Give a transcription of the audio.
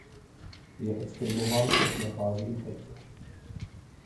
Je exprimován v časné fázi infekce.